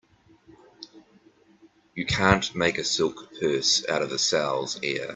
You can't make a silk purse out of a sow's ear.